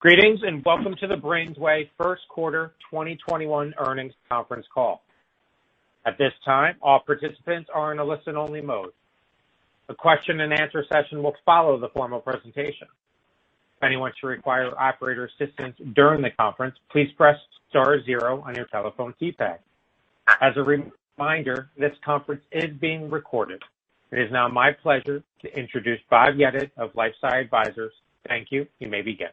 Greetings, and welcome to the BrainsWay first quarter 2021 earnings conference call. At this time, all participants are in a listen-only mode. A question-and-answer session will follow the formal presentation. If anyone should require operator assistance during the conference, please press star zero on your telephone keypad. As a reminder, this conference is being recorded. It is now my pleasure to introduce Bob Yedid of LifeSci Advisors. Thank you. You may begin.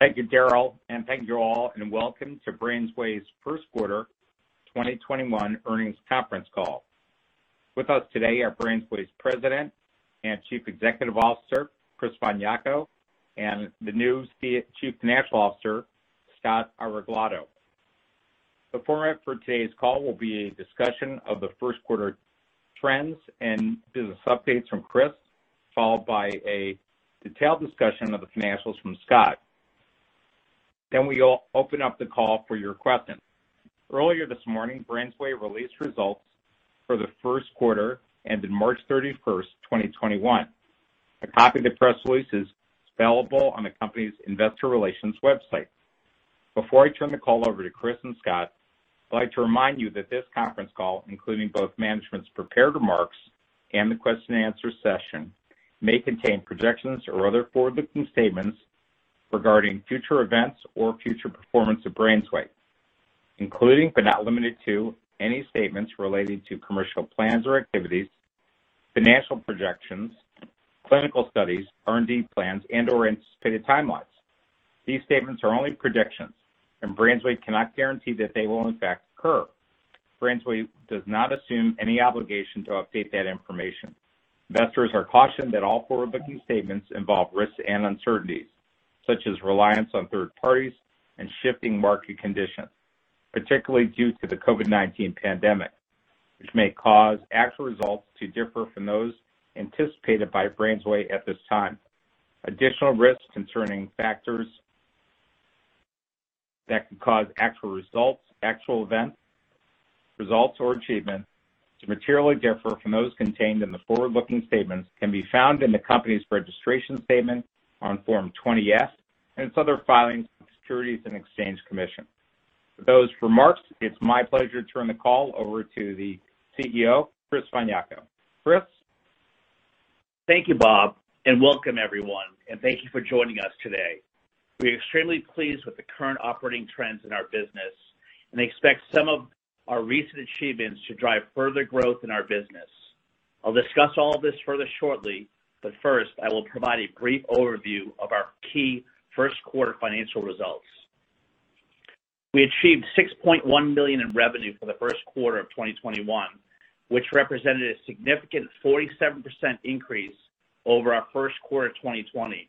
Thank you, Daryl, and thank you all, and welcome to BrainsWay's first quarter 2021 earnings conference call. With us today are BrainsWay's President and Chief Executive Officer, Christopher von Jako, and the new Chief Financial Officer, Scott Areglado. The format for today's call will be a discussion of the first quarter trends and business updates from Chris, followed by a detailed discussion of the financials from Scott. We will open up the call for your questions. Earlier this morning, BrainsWay released results for the first quarter ending March 31st, 2021. A copy of the press release is available on the company's investor relations website. Before I turn the call over to Chris and Scott, I'd like to remind you that this conference call, including both management's prepared remarks and the question-and-answer session, may contain projections or other forward-looking statements regarding future events or future performance of BrainsWay, including but not limited to any statements relating to commercial plans or activities, financial projections, clinical studies, R&D plans, and/or anticipated timelines. These statements are only predictions, and BrainsWay cannot guarantee that they will in fact occur. BrainsWay does not assume any obligation to update that information. Investors are cautioned that all forward-looking statements involve risks and uncertainties, such as reliance on third parties and shifting market conditions, particularly due to the COVID-19 pandemic, which may cause actual results to differ from those anticipated by BrainsWay at this time. Additional risks concerning factors that could cause actual results, actual events, results, or achievements to materially differ from those contained in the forward-looking statements can be found in the company's registration statement on Form 20-F and its other filings with the Securities and Exchange Commission. With those remarks, it's my pleasure to turn the call over to the CEO, Chris von Jako. Chris? Thank you, Bob, and welcome everyone, and thank you for joining us today. We are extremely pleased with the current operating trends in our business and expect some of our recent achievements to drive further growth in our business. I'll discuss all of this further shortly, but first, I will provide a brief overview of our key first quarter financial results. We achieved $6.1 million in revenue for the first quarter of 2021, which represented a significant 47% increase over our first quarter 2020,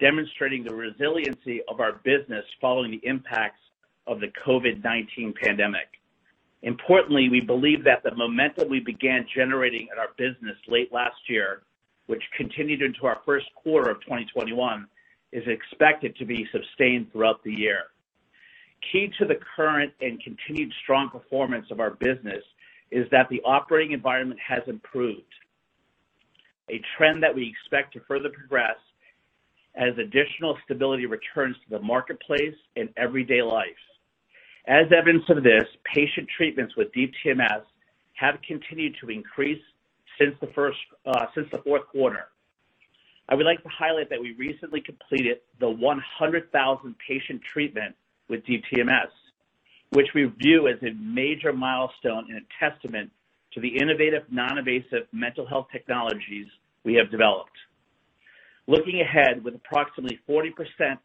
demonstrating the resiliency of our business following the impacts of the COVID-19 pandemic. Importantly, we believe that the momentum we began generating in our business late last year, which continued into our first quarter of 2021, is expected to be sustained throughout the year. Key to the current and continued strong performance of our business is that the operating environment has improved, a trend that we expect to further progress as additional stability returns to the marketplace and everyday life. As evidence of this, patient treatments with dTMS have continued to increase since the fourth quarter. I would like to highlight that we recently completed the 100,000 patient treatment with dTMS, which we view as a major milestone and a testament to the innovative, non-invasive mental health technologies we have developed. Looking ahead, with approximately 40%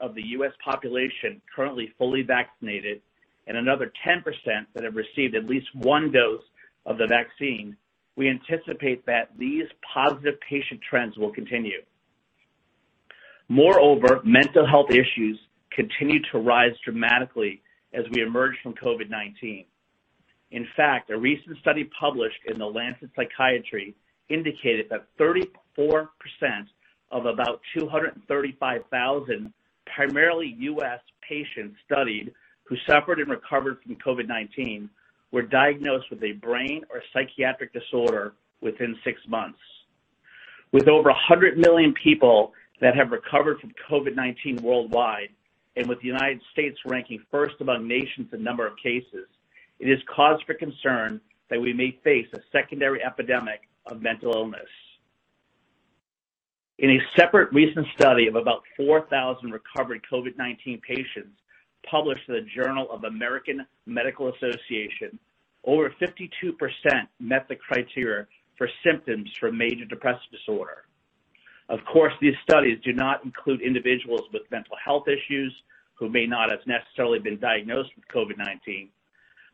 of the U.S. population currently fully vaccinated and another 10% that have received at least one dose of the vaccine, we anticipate that these positive patient trends will continue. Moreover, mental health issues continue to rise dramatically as we emerge from COVID-19. In fact, a recent study published in The Lancet Psychiatry indicated that 34% of about 235,000 primarily U.S. patients studied who suffered and recovered from COVID-19 were diagnosed with a brain or psychiatric disorder within six months. With over 100 million people that have recovered from COVID-19 worldwide, and with the United States ranking first among nations in number of cases, it is cause for concern that we may face a secondary epidemic of mental illness. In a separate recent study of about 4,000 recovered COVID-19 patients published in the Journal of the American Medical Association, over 52% met the criteria for symptoms for major depressive disorder. Of course, these studies do not include individuals with mental health issues who may not have necessarily been diagnosed with COVID-19,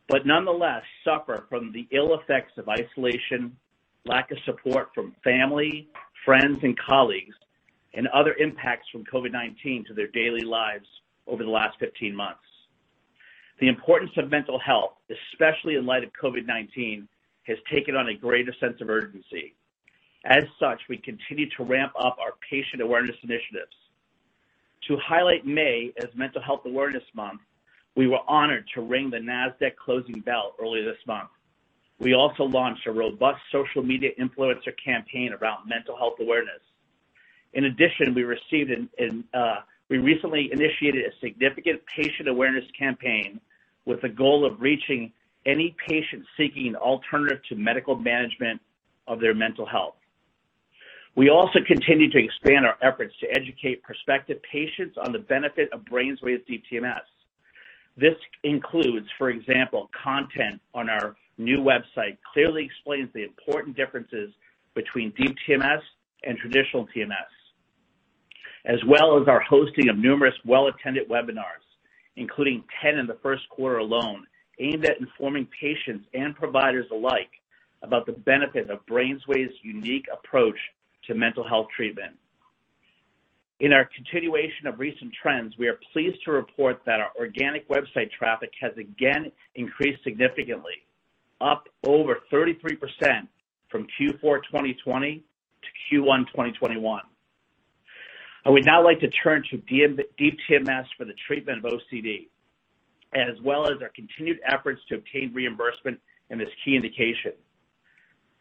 but nonetheless suffer from the ill effects of isolation, lack of support from family, friends, and colleagues, and other impacts from COVID-19 to their daily lives over the last 15 months. The importance of mental health, especially in light of COVID-19, has taken on a greater sense of urgency. As such, we continue to ramp up our patient awareness initiatives. To highlight May as Mental Health Awareness Month, we were honored to ring the Nasdaq closing bell earlier this month. We also launched a robust social media influencer campaign around mental health awareness. In addition, we recently initiated a significant patient awareness campaign with the goal of reaching any patient seeking an alternative to medical management of their mental health. We also continue to expand our efforts to educate prospective patients on the benefit of BrainsWay's dTMS. This includes, for example, content on our new website clearly explains the important differences between dTMS and traditional TMS. As well as our hosting of numerous well-attended webinars, including 10 in the first quarter alone, aimed at informing patients and providers alike about the benefit of BrainsWay's unique approach to mental health treatment. In our continuation of recent trends, we are pleased to report that our organic website traffic has again increased significantly, up over 33% from Q4 2020 to Q1 2021. I would now like to turn to dTMS for the treatment of OCD, as well as our continued efforts to obtain reimbursement in this key indication.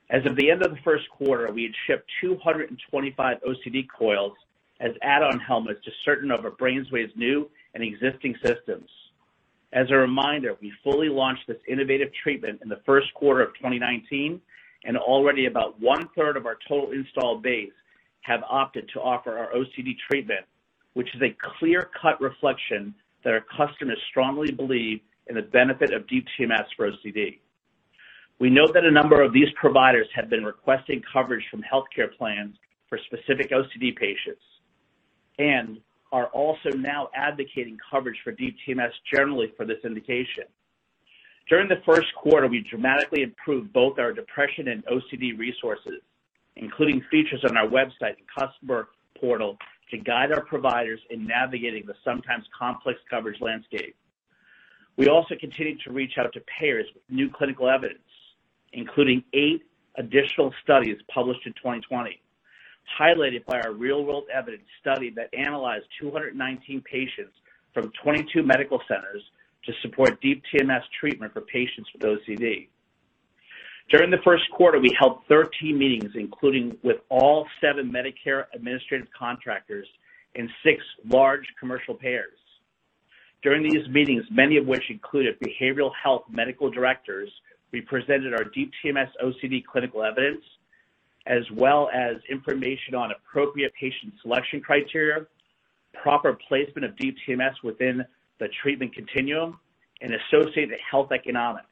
As of the end of the first quarter, we had shipped 225 OCD coils as add-on helmets to certain of BrainsWay's new and existing systems. As a reminder, we fully launched this innovative treatment in the first quarter of 2019. Already about 1/3 of our total installed base have opted to offer our OCD treatment, which is a clear-cut reflection that our customers strongly believe in the benefit of dTMS for OCD. We know that a number of these providers have been requesting coverage from healthcare plans for specific OCD patients and are also now advocating coverage for dTMS generally for this indication. During the first quarter, we dramatically improved both our depression and OCD resources, including features on our website and customer portal to guide our providers in navigating the sometimes complex coverage landscape. We also continue to reach out to payers with new clinical evidence, including eight additional studies published in 2020, highlighted by our real-world evidence study that analyzed 219 patients from 22 medical centers to support dTMS treatment for patients with OCD. During the first quarter, we held 13 meetings, including with all seven Medicare administrative contractors and six large commercial payers. During these meetings, many of which included behavioral health medical directors, we presented our dTMS OCD clinical evidence, as well as information on appropriate patient selection criteria, proper placement of dTMS within the treatment continuum, and associated health economics.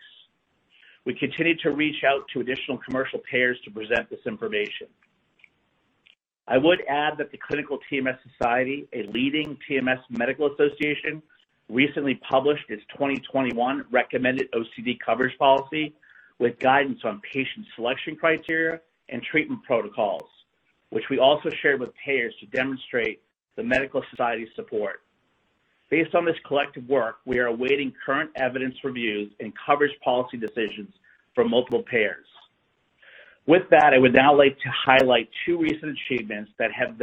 We continue to reach out to additional commercial payers to present this information. I would add that the Clinical TMS Society, a leading TMS medical association, recently published its 2021 recommended OCD coverage policy with guidance on patient selection criteria and treatment protocols, which we also shared with payers to demonstrate the medical society support. Based on this collective work, we are awaiting current evidence reviews and coverage policy decisions from multiple payers. I would now like to highlight two recent achievements that have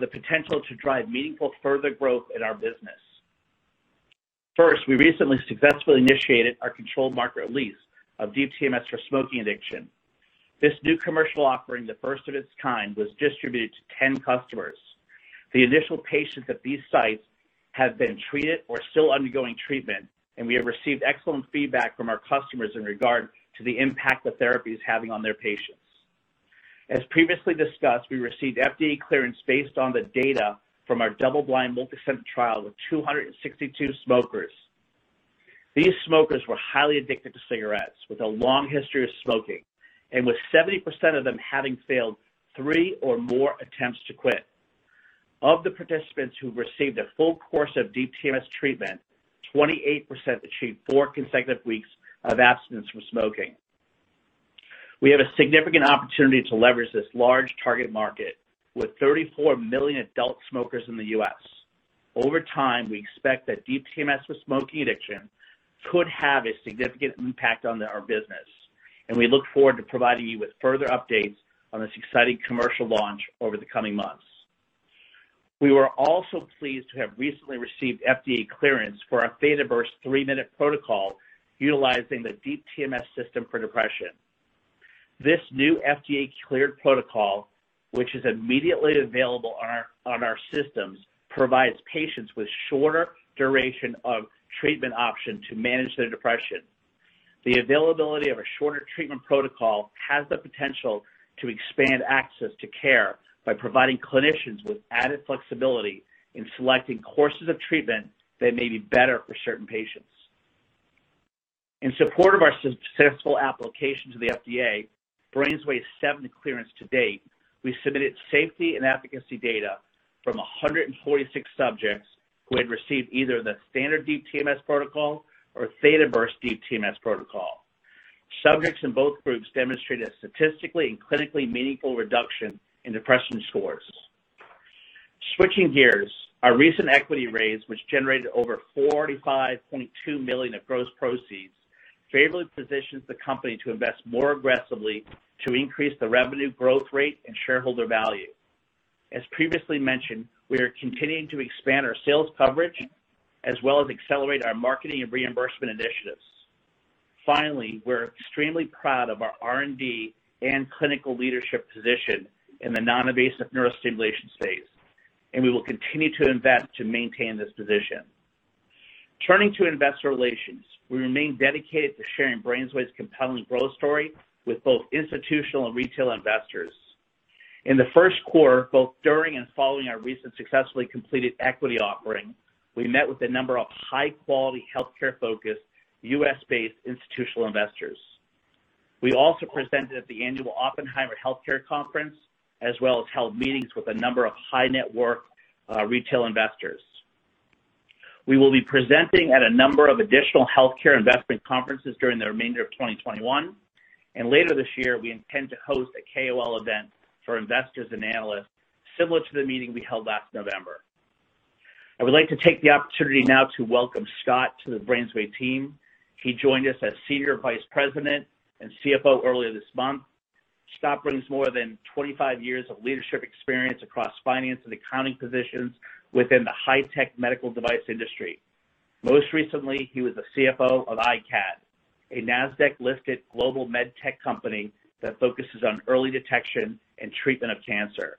the potential to drive meaningful further growth in our business. First, we recently successfully initiated our controlled market release of dTMS for smoking addiction. This new commercial offering, the first of its kind, was distributed to 10 customers. The initial patients at these sites have been treated or still undergoing treatment, and we have received excellent feedback from our customers in regard to the impact the therapy is having on their patients. As previously discussed, we received FDA clearance based on the data from our double-blind, multicenter trial of 262 smokers. These smokers were highly addicted to cigarettes with a long history of smoking, and with 70% of them having failed three or more attempts to quit. Of the participants who received a full course of dTMS treatment, 28% achieved four consecutive weeks of abstinence from smoking. We have a significant opportunity to leverage this large target market with 34 million adult smokers in the U.S. Over time, we expect that dTMS for smoking addiction could have a significant impact on our business, and we look forward to providing you with further updates on this exciting commercial launch over the coming months. We were also pleased to have recently received FDA clearance for our Theta Burst three-minute protocol utilizing the Deep TMS System for depression. This new FDA-cleared protocol, which is immediately available on our systems, provides patients with shorter duration of treatment option to manage their depression. The availability of a shorter treatment protocol has the potential to expand access to care by providing clinicians with added flexibility in selecting courses of treatment that may be better for certain patients. In support of our successful application to the FDA, BrainsWay's seventh clearance to date, we submitted safety and efficacy data from 146 subjects who had received either the standard dTMS protocol or Theta Burst dTMS protocol. Subjects in both groups demonstrated a statistically and clinically meaningful reduction in depression scores. Switching gears, our recent equity raise, which generated over $45.2 million of gross proceeds, favorably positions the company to invest more aggressively to increase the revenue growth rate and shareholder value. As previously mentioned, we are continuing to expand our sales coverage as well as accelerate our marketing and reimbursement initiatives. Finally, we're extremely proud of our R&D and clinical leadership position in the non-invasive neurostimulation space, and we will continue to invest to maintain this position. Turning to investor relations. We remain dedicated to sharing BrainsWay's compelling growth story with both institutional and retail investors. In the first quarter, both during and following our recent successfully completed equity offering, we met with a number of high-quality, healthcare-focused, U.S.-based institutional investors. We also presented at the annual Oppenheimer Healthcare Conference, as well as held meetings with a number of high-net-worth retail investors. We will be presenting at a number of additional healthcare investment conferences during the remainder of 2021. Later this year, we intend to host a KOL event for investors and analysts, similar to the meeting we held last November. I would like to take the opportunity now to welcome Scott to the BrainsWay team. He joined us as senior vice president and CFO earlier this month. Scott brings more than 25 years of leadership experience across finance and accounting positions within the high-tech medical device industry. Most recently, he was the CFO of iCAD, a Nasdaq-listed global med tech company that focuses on early detection and treatment of cancer.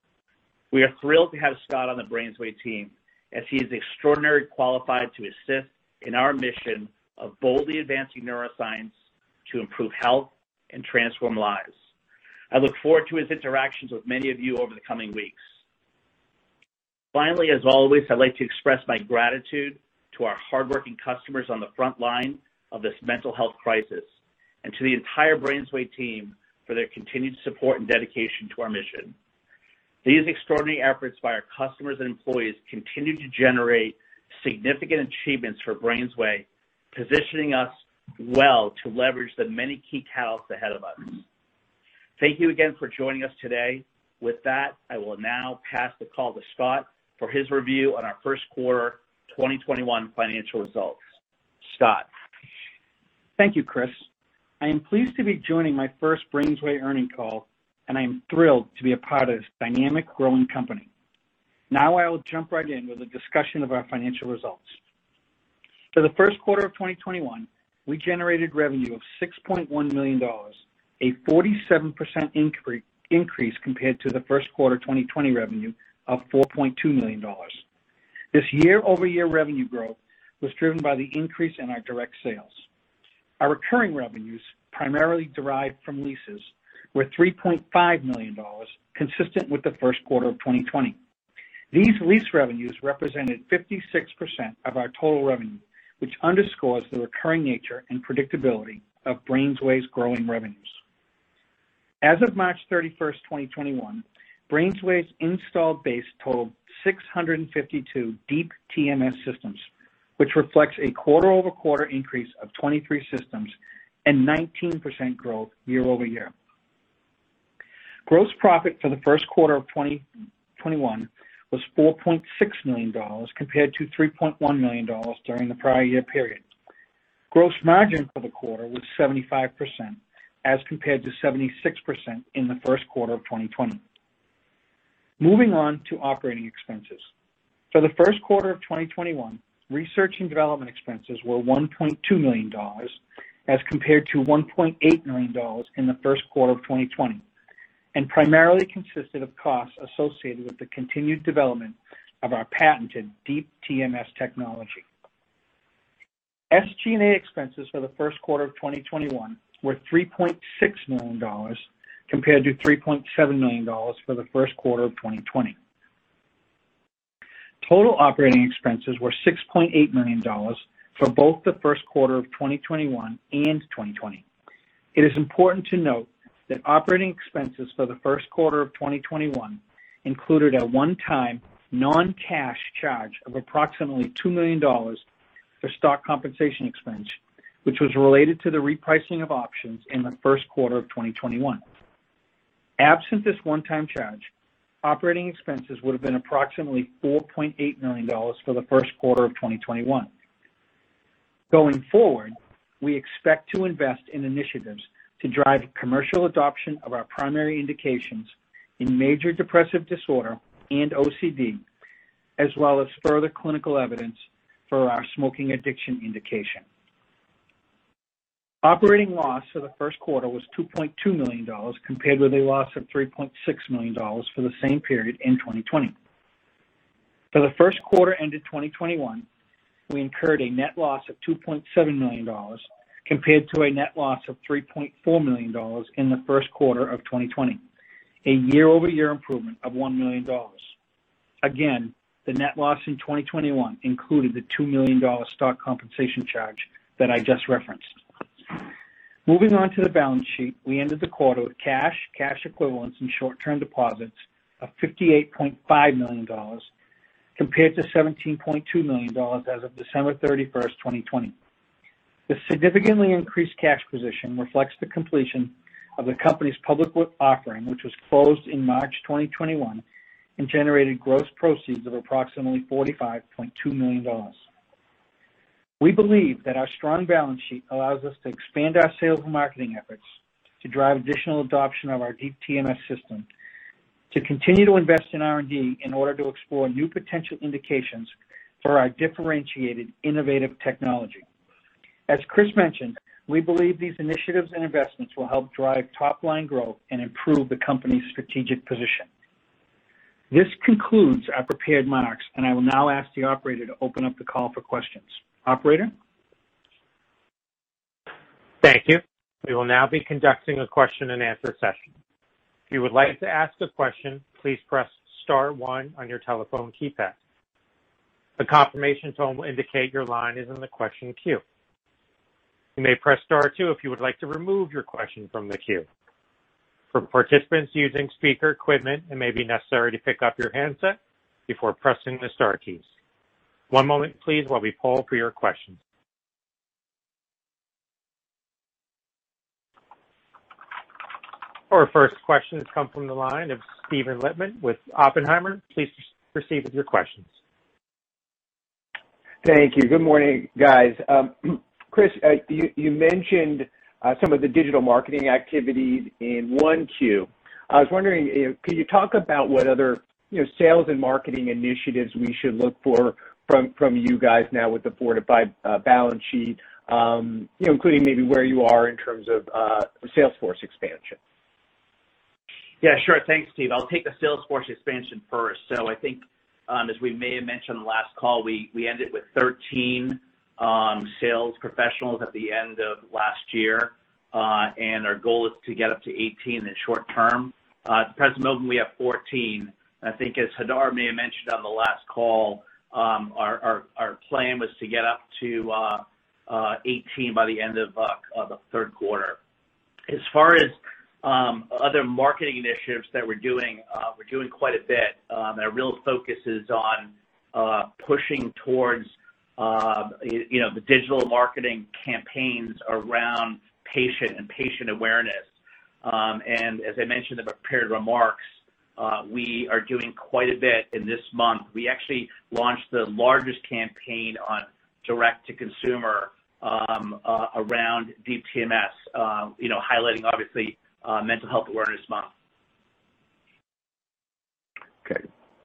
We are thrilled to have Scott on the BrainsWay team, as he is extraordinarily qualified to assist in our mission of boldly advancing neuroscience to improve health and transform lives. I look forward to his interactions with many of you over the coming weeks. Finally, as always, I'd like to express my gratitude to our hardworking customers on the front line of this mental health crisis and to the entire BrainsWay team for their continued support and dedication to our mission. These extraordinary efforts by our customers and employees continue to generate significant achievements for BrainsWay, positioning us well to leverage the many key catalysts ahead of us. Thank you again for joining us today. With that, I will now pass the call to Scott for his review on our first quarter 2021 financial results. Scott. Thank you, Chris. I am pleased to be joining my first BrainsWay earnings call, and I'm thrilled to be a part of this dynamic growing company. I will jump right in with a discussion of our financial results. For the first quarter of 2021, we generated revenue of $6.1 million, a 47% increase compared to the first quarter 2020 revenue of $4.2 million. This year-over-year revenue growth was driven by the increase in our direct sales. Our recurring revenues, primarily derived from leases, were $3.5 million, consistent with the first quarter of 2020. These lease revenues represented 56% of our total revenue, which underscores the recurring nature and predictability of BrainsWay's growing revenues. As of March 31st, 2021, BrainsWay's installed base totaled 652 Deep TMS systems, which reflects a quarter-over-quarter increase of 23 systems and 19% growth year-over-year. Gross profit for the first quarter of 2021 was $4.6 million, compared to $3.1 million during the prior year period. Gross margin for the quarter was 75%, as compared to 76% in the first quarter of 2020. Moving on to operating expenses. For the first quarter of 2021, research and development expenses were $1.2 million, as compared to $1.8 million in the first quarter of 2020, and primarily consisted of costs associated with the continued development of our patented Deep TMS technology. SG&A expenses for the first quarter of 2021 were $3.6 million, compared to $3.7 million for the first quarter of 2020. Total operating expenses were $6.8 million for both the first quarter of 2021 and 2020. It is important to note that operating expenses for the first quarter of 2021 included a one-time non-cash charge of approximately $2 million for stock compensation expense, which was related to the repricing of options in the first quarter of 2021. Absent this one-time charge, operating expenses would have been approximately $4.8 million for the first quarter of 2021. Going forward, we expect to invest in initiatives to drive commercial adoption of our primary indications in major depressive disorder and OCD, as well as further clinical evidence for our smoking addiction indication. Operating loss for the first quarter was $2.2 million, compared with a loss of $3.6 million for the same period in 2020. For the first quarter ended 2021, we incurred a net loss of $2.7 million, compared to a net loss of $3.4 million in the first quarter of 2020, a year-over-year improvement of $1 million. The net loss in 2021 included the $2 million stock compensation charge that I just referenced. Moving on to the balance sheet. We ended the quarter with cash equivalents, and short-term deposits of $58.5 million, compared to $17.2 million as of December 31st, 2020. The significantly increased cash position reflects the completion of the company's public offering, which was closed in March 2021 and generated gross proceeds of approximately $45.2 million. We believe that our strong balance sheet allows us to expand our sales and marketing efforts to drive additional adoption of our Deep TMS System, to continue to invest in R&D in order to explore new potential indications for our differentiated innovative technology. As Chris mentioned, we believe these initiatives and investments will help drive top-line growth and improve the company's strategic position. This concludes our prepared remarks, and I will now ask the operator to open up the call for questions. Operator? Thank you. We will now be conducting a question-and-answer session. If you would like to ask a question, please press star one on your telephone keypad. A confirmation tone will indicate your line is in the question queue. You may press star two if you would like to remove your question from the queue. For participants using speaker equipment, it may be necessary to pick up your handset before pressing the star keys. One moment please while we poll for your questions. Our first question has come from the line of Steven Lichtman with Oppenheimer. Please proceed with your questions. Thank you. Good morning, guys. Chris, you mentioned some of the digital marketing activities in 1Q. I was wondering, can you talk about what other sales and marketing initiatives we should look for from you guys now with the fortified balance sheet, including maybe where you are in terms of sales force expansion? Yeah, sure. Thanks, Steve. I'll take the sales force expansion first. I think as we may have mentioned last call, we ended with 13 sales professionals at the end of last year. Our goal is to get up to 18 in the short term. At present moment, we have 14. I think as Hadar may have mentioned on the last call, our plan was to get up to 18 by the end of the third quarter. As far as other marketing initiatives that we're doing, we're doing quite a bit. Our real focus is on pushing towards the digital marketing campaigns around patient and patient awareness. As I mentioned in the prepared remarks, we are doing quite a bit in this month. We actually launched the largest campaign on direct to consumer around Deep TMS, highlighting obviously Mental Health Awareness Month.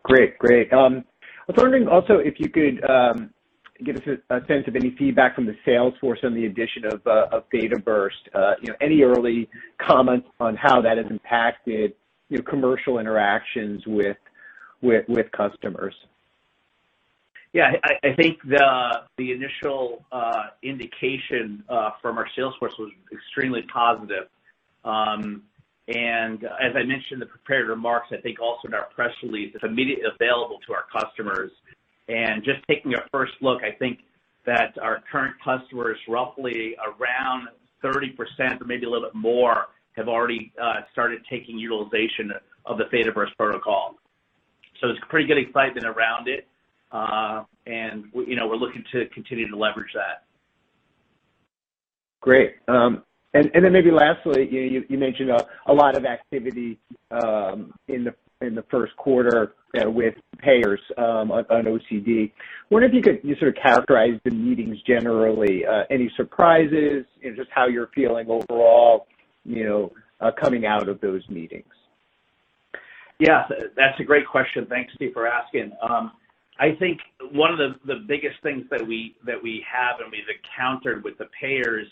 Great. I was wondering also if you could give us a sense of any feedback from the sales force on the addition of Theta Burst. Any early comments on how that has impacted commercial interactions with customers? Yeah. I think the initial indication from our sales force was extremely positive. As I mentioned in the prepared remarks, I think also in our press release, it's immediately available to our customers. Just taking a first look, I think that our current customers, roughly around 30% or maybe a little bit more, have already started taking utilization of the Theta Burst protocol. There's pretty good excitement around it. We're looking to continue to leverage that. Great. Then maybe lastly, you mentioned a lot of activity in the first quarter with payers on OCD. I wonder if you could sort of characterize the meetings generally. Any surprises, and just how you're feeling overall coming out of those meetings? Yeah, that's a great question. Thanks, Steve, for asking. I think one of the biggest things that we have and we've encountered with the payers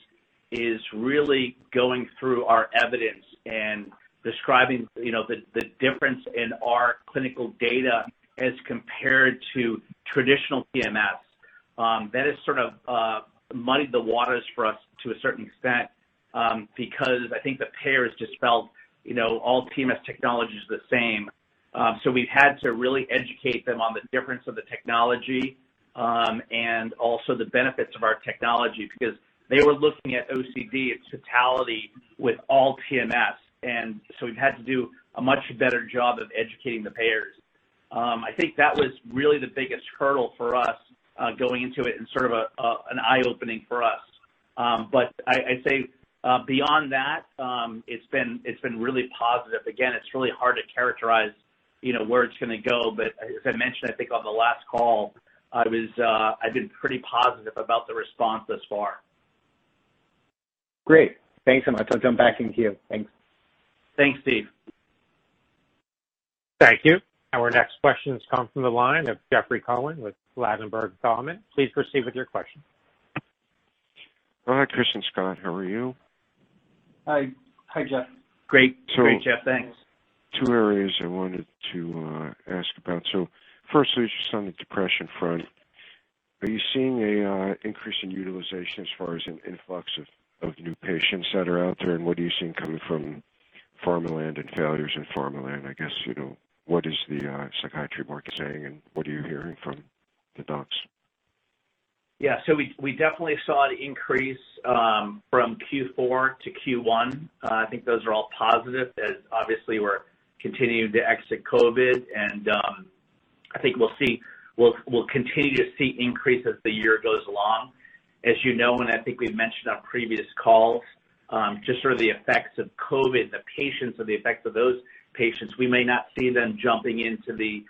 is really going through our evidence and describing the difference in our clinical data as compared to traditional TMS. That has sort of muddied the waters for us to a certain extent, because I think the payers just felt all TMS technology is the same. We've had to really educate them on the difference of the technology, and also the benefits of our technology, because they were looking at OCD in totality with all TMS. We've had to do a much better job of educating the payers. I think that was really the biggest hurdle for us, going into it and sort of an eye-opening for us. I'd say, beyond that, it's been really positive. It's really hard to characterize where it's going to go. As I mentioned, I think on the last call, I've been pretty positive about the response thus far. Great. Thanks so much. I'll jump back in queue. Thanks. Thanks, Steve. Thank you. Our next question comes from the line of Jeffrey Cohen with Ladenburg Thalmann. Please proceed with your question. Hi, Chris and Scott. How are you? Hi, Jeff. Great, Jeff. Thanks. Two areas I wanted to ask about. Firstly, just on the depression front, are you seeing an increase in utilization as far as an influx of new patients that are out there? What are you seeing coming from pharma land and failures in pharma land? I guess, what is the psychiatry market saying, and what are you hearing from the docs? Yeah. We definitely saw an increase from Q4 to Q1. I think those are all positive as obviously we're continuing to exit COVID. I think we'll continue to see increase as the year goes along. As you know, and I think we've mentioned on previous calls, just sort of the effects of COVID, the patients and the effect of those patients, we may not see them jumping into the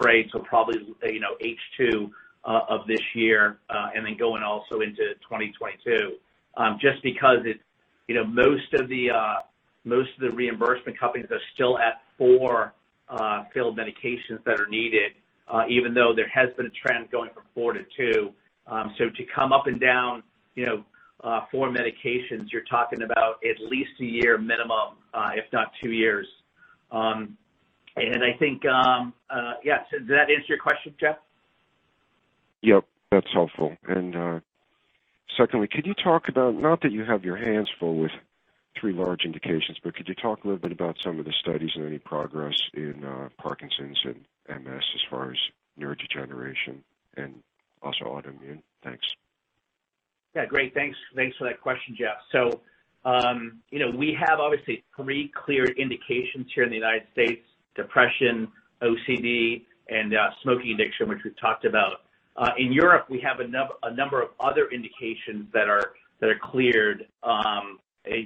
fray till probably H2 of this year and then going also into 2022. Just because most of the reimbursement companies are still at four failed medications that are needed, even though there has been a trend going from four to two. To come up and down four medications, you're talking about at least a year minimum, if not two years. I think, yeah. Does that answer your question, Jeff? Yep, that's helpful. Secondly, can you talk about, not that you have your hands full with three large indications, but could you talk a little bit about some of the studies and any progress in Parkinson's and MS as far as neurodegeneration and also autoimmune? Thanks. Yeah, great. Thanks for that question, Jeffrey Cohen. We have, I would say, three clear indications here in the U.S., depression, OCD, and smoking addiction, which we talked about. In Europe, we have a number of other indications that are cleared.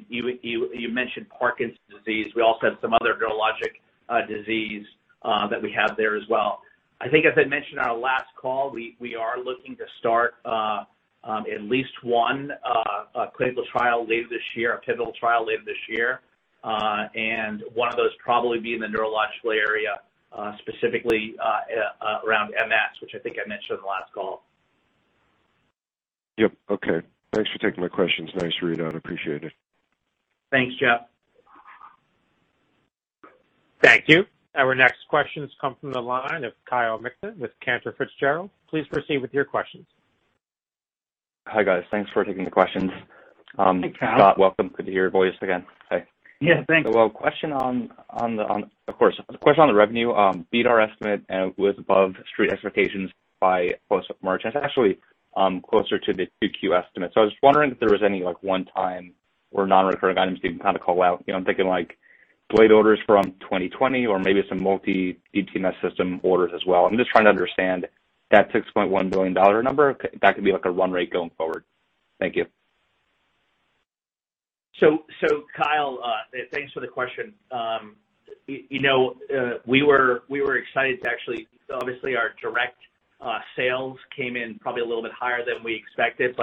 You mentioned Parkinson's disease. We also have some other neurologic disease that we have there as well. I think as I mentioned on our last call, we are looking to start at least one clinical trial late this year, a pivotal trial late this year. One of those probably be in the neurological area, specifically around MS, which I think I mentioned on the last call. Yep. Okay. Thanks for taking my questions. Nice read-out. I appreciate it. Thanks, Jeff. Thank you. Our next question comes from the line of Kyle Mikson with Cantor Fitzgerald. Please proceed with your questions. Hi, guys. Thanks for taking the questions. Hey, Kyle. Welcome. Good to hear your voice again. Hi. Yeah, thanks. A question on the revenue. Beat our estimate and it was above street expectations by close of March, and it's actually closer to the 2Q estimate. I was wondering if there was any one-time or non-recurring items you can kind of call out. I'm thinking like delayed orders from 2020 or maybe some multi-dTMS system orders as well. I'm just trying to understand that $6.1 million number, if that could be like a run rate going forward. Thank you. Kyle, thanks for the question. We were excited actually, obviously, our direct sales came in probably a little bit higher than we expected.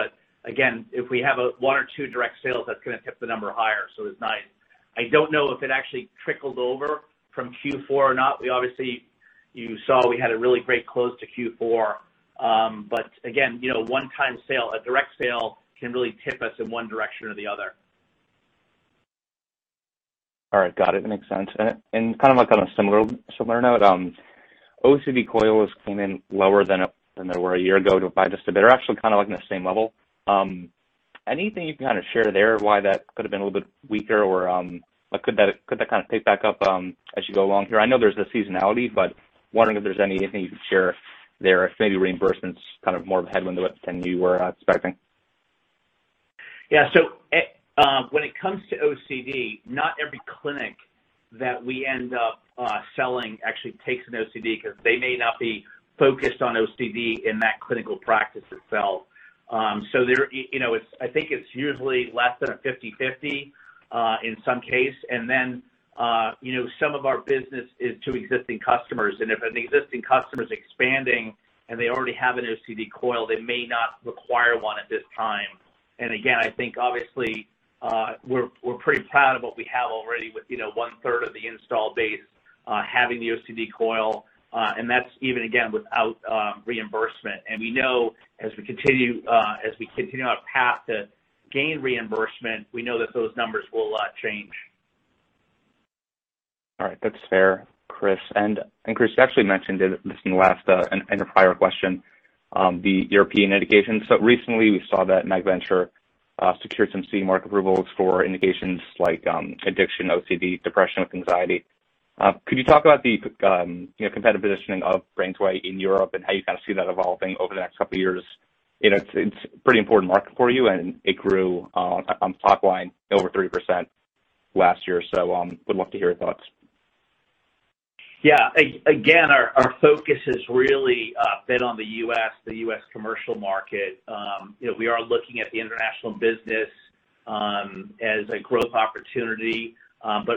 Again, if we have one or two direct sales, that's going to tip the number higher, it's nice. I don't know if it actually trickles over from Q4 or not. Obviously, you saw we had a really great close to Q4. Again, a one-time sale, a direct sale can really tip us in one direction or the other. All right. Got it. Makes sense. kind of like on a similar note, OCD coil came in lower than they were a year ago. They're actually kind of like on the same level. Anything you can kind of share there why that could've been a little bit weaker or could that kind of pick back up as you go along here? I know there's a seasonality, wondering if there's anything you can share there. Maybe reimbursements kind of more of a headwind than you were expecting. Yeah. When it comes to OCD, not every clinic that we end up selling actually takes an OCD because they may not be focused on OCD in that clinical practice itself. I think it's usually less than a 50/50 in some case. Some of our business is to existing customers. If an existing customer is expanding and they already have an OCD coil, they may not require one at this time. Again, I think obviously, we're pretty proud of what we have already with 1/3 of the install base having the OCD coil, and that's even, again, without reimbursement. We know as we continue on path to gain reimbursement, we know that those numbers will change. All right. That's fair, Chris. Chris, you actually mentioned it in the last and prior question, the European indications. Recently, we saw that MagVenture secured some CE mark approvals for indications like addiction, OCD, depression, anxiety. Could you talk about the competitive positioning of BrainsWay in Europe and how you kind of see that evolving over the next couple of years? It's a pretty important market for you. It grew on top line over 3% last year. Would love to hear your thoughts. Yeah. Again, our focus has really been on the U.S., the U.S. commercial market. We are looking at the international business as a growth opportunity.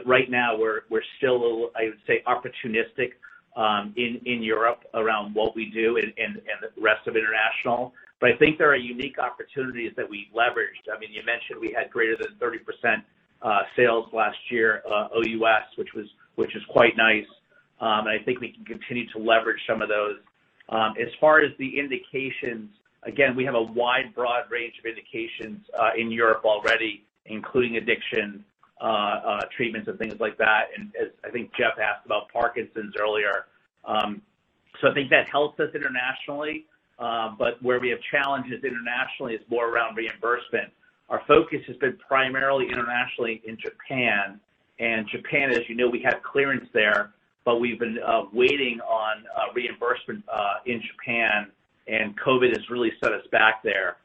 Right now we're still, I would say, opportunistic in Europe around what we do and the rest of international. I think there are unique opportunities that we leveraged. I mean, you mentioned we had greater than 30% sales last year OUS, which is quite nice, and I think we can continue to leverage some of those. As far as the indications, again, we have a wide, broad range of indications in Europe already, including addiction treatments and things like that, and I think Jeff asked about Parkinson's earlier. I think that helps us internationally. Where we have challenges internationally is more around reimbursement. Our focus has been primarily internationally in Japan. Japan, as you know, we have clearance there, but we've been waiting on reimbursement in Japan, and COVID has really set us back there.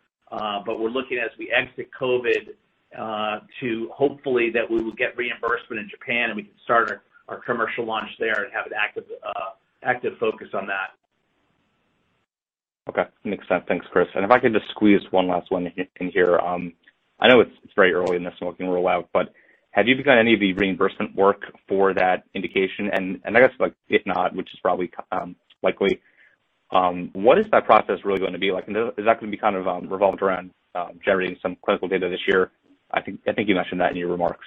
We're looking as we exit COVID to hopefully that we will get reimbursement in Japan and we can start our commercial launch there and have an active focus on that. Okay. Makes sense. Thanks, Chris. If I could just squeeze one last one in here. I know it's very early in the smoking cessation, but have you begun any of the reimbursement work for that indication? I guess if not, which is probably likely, what is that process really going to be like? Is that going to be revolved around generating some clinical data this year? I think you mentioned that in your remarks.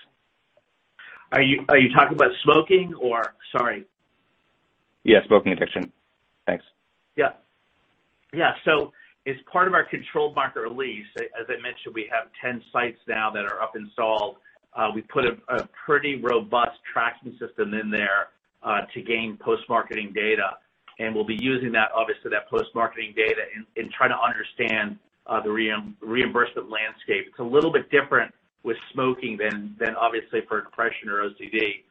Are you talking about smoking? Sorry. Yeah, smoking addiction. Thanks. Yeah. As part of our controlled market release, as I mentioned, we have 10 sites now that are up installed. We put a pretty robust tracking system in there to gain post-marketing data, and we'll be using that, obviously, that post-marketing data in trying to understand the reimbursement landscape. It's a little bit different with smoking than obviously for depression or OCD,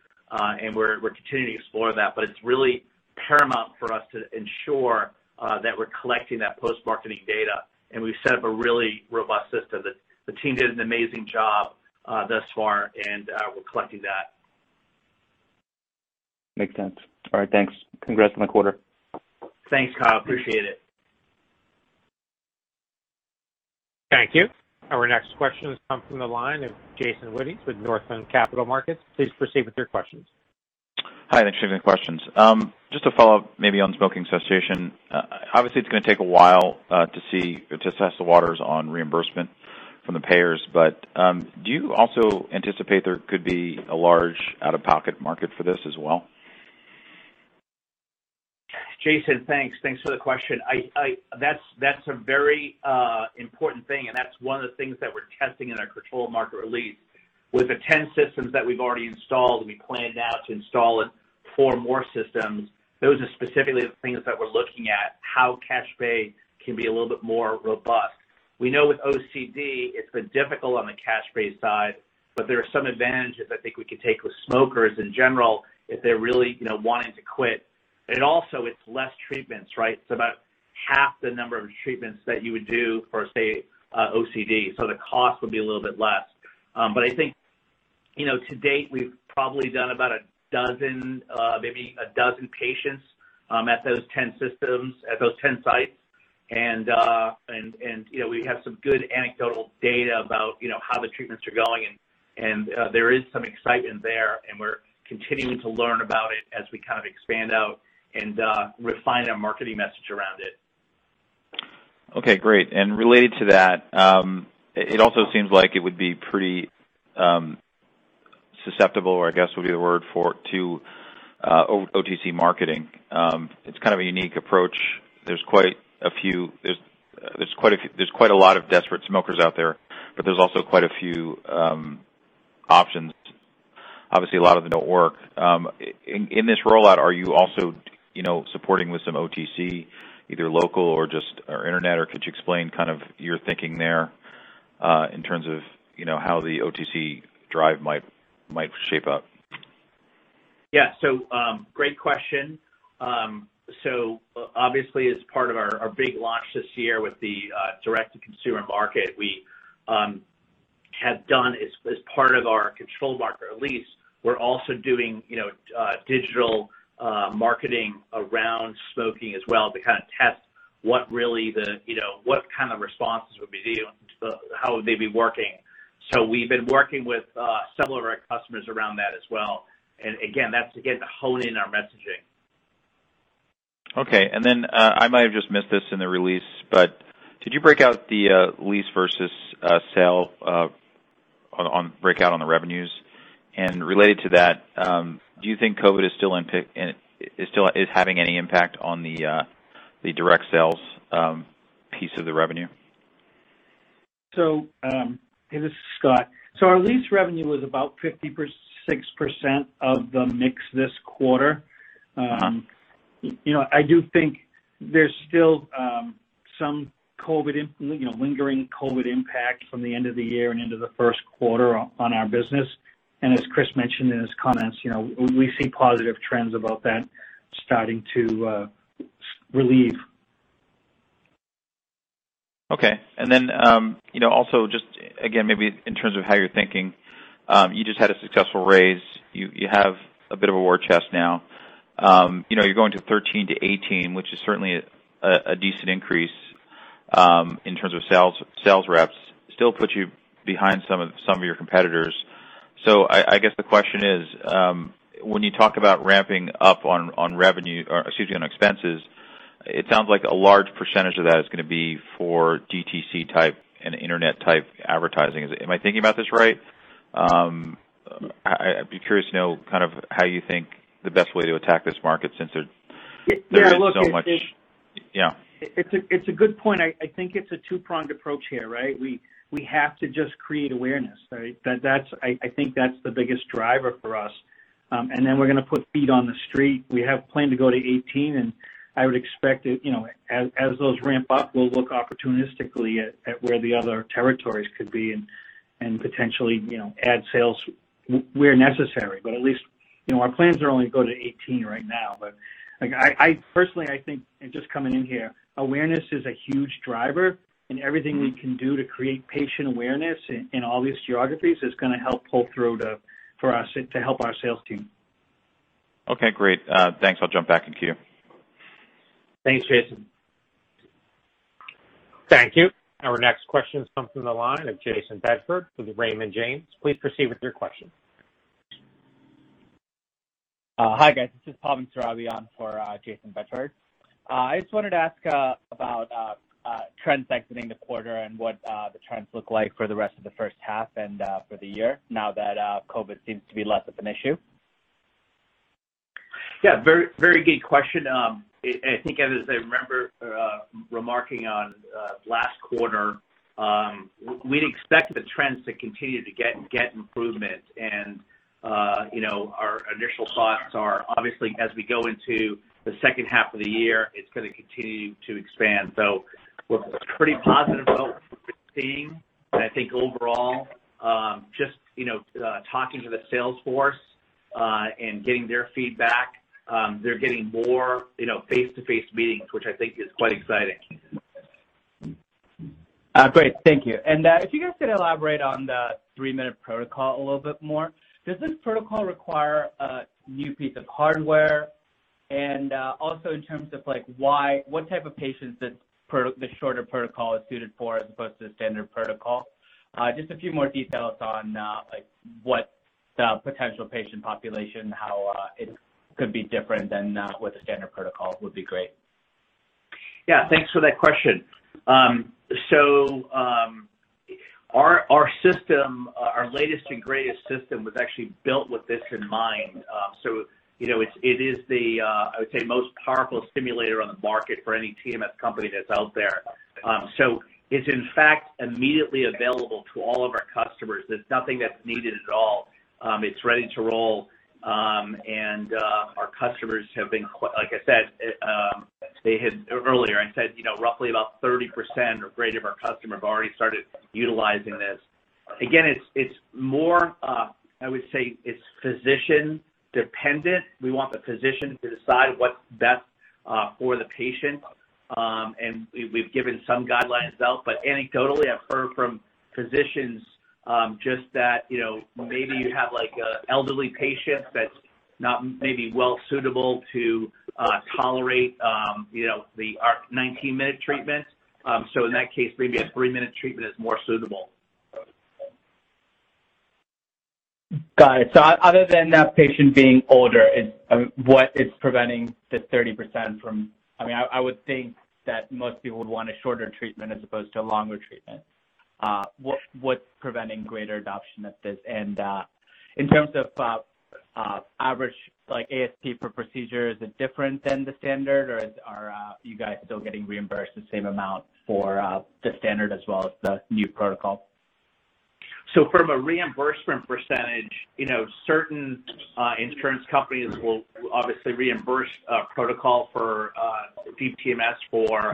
and we're continuing to explore that, but it's really paramount for us to ensure that we're collecting that post-marketing data. We've set up a really robust system. The team did an amazing job thus far, and we're collecting that. Makes sense. All right, thanks. Congrats on the quarter. Thanks, Kyle. Appreciate it. Thank you. Our next question has come from the line of Jason Wittes with Northland Capital Markets. Please proceed with your questions. Hi, thanks for taking the questions. Just to follow up, maybe on smoking cessation. Obviously, it's going to take a while to assess the waters on reimbursement from the payers, do you also anticipate there could be a large out-of-pocket market for this as well? Jason, thanks. Thanks for the question. That's a very important thing, and that's one of the things that we're testing in our controlled market release. With the 10 systems that we've already installed, and we plan now to install four more systems, those are specifically the things that we're looking at, how cash pay can be a little bit more robust. We know with OCD, it's been difficult on the cash pay side, but there are some advantages I think we could take with smokers in general, if they're really wanting to quit. It's less treatments. It's about half the number of treatments that you would do for, say, OCD, so the cost would be a little bit less. I think to date, we've probably done about maybe a dozen patients at those 10 sites. We have some good anecdotal data about how the treatments are going and, there is some excitement there, and we're continuing to learn about it as we expand out and refine our marketing message around it. Okay, great. Related to that, it also seems like it would be pretty susceptible, I guess, would be the word, to DTC marketing. It's kind of a unique approach. There's quite a lot of desperate smokers out there, but there's also quite a few options. Obviously, a lot of them don't work. In this rollout, are you also supporting with some DTC, either local or internet, or could you explain your thinking there, in terms of how the DTC drive might shape up? Yeah. Great question. Obviously, as part of our big launch this year with the direct-to-consumer market we have done as part of our controlled market release, we're also doing digital marketing around smoking as well to test what kind of responses would we see and how would they be working. We've been working with several of our customers around that as well. Again, that's again to hone in our messaging. Okay. I might have just missed this in the release, did you break out the lease versus sale breakout on the revenues? Related to that, do you think COVID is having any impact on the direct sales piece of the revenue? This is Scott. Our lease revenue was about 56% of the mix this quarter. I do think there's still some lingering COVID-19 impact from the end of the year and into the first quarter on our business. As Chris mentioned in his comments, we see positive trends about that starting to relieve. Okay. Also just, again, maybe in terms of how you're thinking, you just had a successful raise. You have a bit of a war chest now. You're going to 13 to 18, which is certainly a decent increase, in terms of sales reps. Still puts you behind some of your competitors. I guess the question is, when you talk about ramping up on revenue, or excuse me, on expenses, it sounds like a large percentage of that is going to be for DTC type and internet type advertising. Am I thinking about this right? I'd be curious to know how you think the best way to attack this market since there's so much- Yeah, look. Yeah. It's a good point. I think it's a two-pronged approach here. We have to just create awareness. I think that's the biggest driver for us. Then we're going to put feet on the street. We have planned to go to 18, and I would expect as those ramp up, we'll look opportunistically at where the other territories could be and potentially add sales where necessary. At least our plans are only to go to 18 right now. Personally, I think, and just coming in here, awareness is a huge driver, and everything we can do to create patient awareness in all these geographies is going to help pull through for us to help our sales team. Okay, great. Thanks. I'll jump back in queue. Thanks, Jason. Thank you. Our next question comes from the line of Jayson Bedford with Raymond James. Please proceed with your question. Hi, guys. This is Pavan Surabhi for Jayson Bedford. I just wanted to ask about trends exiting the quarter and what the trends look like for the rest of the first half and for the year now that COVID seems to be less of an issue. Yeah, very good question. I think as I remember remarking on last quarter, we expect the trends to continue to get improvement and our initial thoughts are obviously as we go into the second half of the year, it's going to continue to expand. We're pretty positive about what we're seeing, and I think overall, just talking to the sales force and getting their feedback, they're getting more face-to-face meetings, which I think is quite exciting. Great. Thank you. If you could elaborate on the three-minute protocol a little bit more. Does this protocol require a new piece of hardware? Also in terms of what type of patients the shorter protocol is suited for as opposed to standard protocol. Just a few more details on what the potential patient population, how it could be different than with the standard protocol would be great. Thanks for that question. Our latest and greatest system was actually built with this in mind. It is the, I would say, most powerful stimulator on the market for any TMS company that's out there. It's in fact immediately available to all of our customers. There's nothing that's needed at all. It's ready to roll. Our customers have been, like earlier I said, roughly about 30% or greater of our customers have already started utilizing this. Again, it's more, I would say, it's physician-dependent. We want the physician to decide what's best for the patient. We've given some guidelines out, but anecdotally, I've heard from physicians, just that maybe you have an elderly patient that's not maybe well suitable to tolerate the 19-minute treatment. In that case, maybe a three-minute treatment is more suitable. Got it. Other than that patient being older, what is preventing the 30% from? I would think that most people would want a shorter treatment as opposed to a longer treatment. What's preventing greater adoption of this? In terms of average ASP per procedure, is it different than the standard, or are you guys still getting reimbursed the same amount for the standard as well as the new protocol? From a reimbursement percentage, certain insurance companies will obviously reimburse protocol for Deep TMS for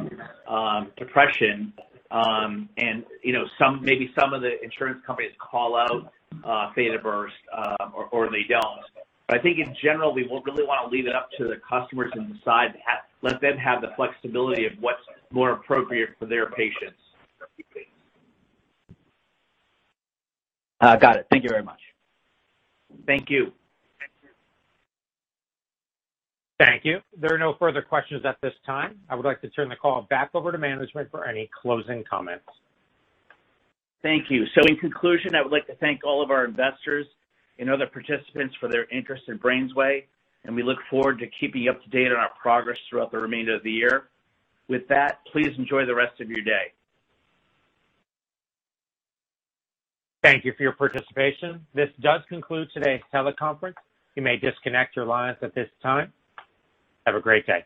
depression. Maybe some of the insurance companies call out Theta Burst or they don't. I think in general, we really want to leave it up to the customers to decide that, let them have the flexibility of what's more appropriate for their patients. Got it. Thank you very much. Thank you. Thank you. There are no further questions at this time. I would like to turn the call back over to management for any closing comments. Thank you. In conclusion, I would like to thank all of our investors and other participants for their interest in BrainsWay, and we look forward to keeping you up to date on our progress throughout the remainder of the year. With that, please enjoy the rest of your day. Thank you for your participation. This does conclude today's teleconference. You may disconnect your lines at this time. Have a great day.